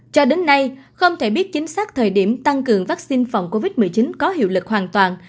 cho đến nay không thể biết chính xác thời điểm tăng cường vaccine phòng covid một mươi chín có hiệu lực hoàn toàn